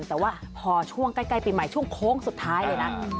แต่ว่าพอช่วงใกล้ปีใหม่ช่วงโค้งสุดท้ายเลยนะ